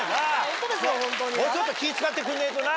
もうちょっと気ぃ使ってくれねえとな。